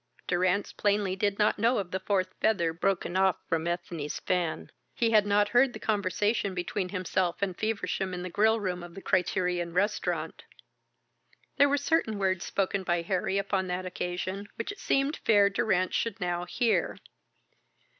Durrance plainly did not know of the fourth feather broken off from Ethne's fan, he had not heard the conversation between himself and Feversham in the grill room of the Criterion Restaurant. There were certain words spoken by Harry upon that occasion which it seemed fair Durrance should now hear.